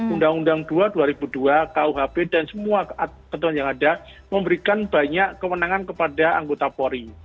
undang undang dua dua ribu dua kuhp dan semua ketentuan yang ada memberikan banyak kewenangan kepada anggota polri